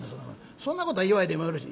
そんなことは言わいでもよろしい。